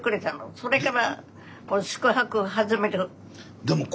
それから宿泊始める。